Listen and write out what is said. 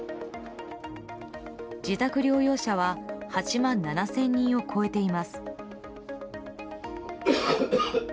自宅療養者は８万７０００人を超えています。